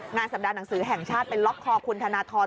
งานสำดานหนังสือแห่งชาติเป็นล็อคคอคุณธนทร